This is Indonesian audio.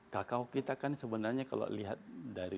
kakao kita kan sebenarnya kalau lihat dari